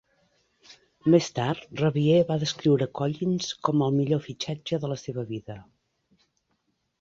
Més tard, Revie va descriure Collins com el millor fitxatge de la seva vida.